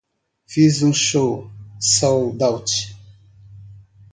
fiz um show soldout